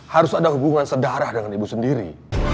harus ada hubungan sedarah dengan ibu sendiri